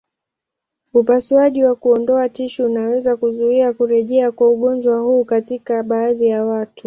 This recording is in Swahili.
Upasuaji wa kuondoa tishu unaweza kuzuia kurejea kwa ugonjwa huu katika baadhi ya watu.